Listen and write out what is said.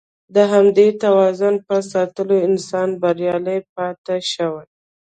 د همدې توازن په ساتلو انسان بریالی پاتې شوی.